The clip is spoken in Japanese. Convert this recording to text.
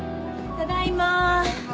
ただいま。